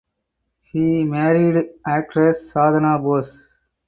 He married actress Sadhana Bose.